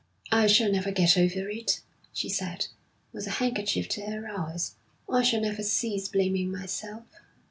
'I shall never get over it,' she said, with a handkerchief to her eyes. 'I shall never cease blaming myself.